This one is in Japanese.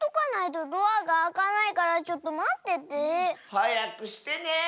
はやくしてね！